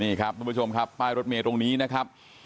นี่ครับทุกผู้ชมครับป้ายรถเมย์ตรงนี้นะครับ